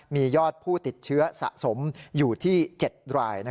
มียอดผู้ติดเชื้อสะสมอยู่ที่๗ราย